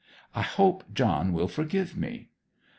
I hope John will forgive me!'